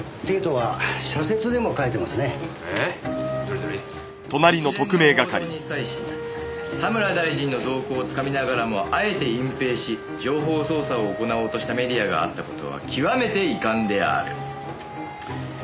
「一連の報道に際し葉村大臣の動向をつかみながらもあえて隠ぺいし情報操作を行おうとしたメディアがあった事は極めて遺憾である」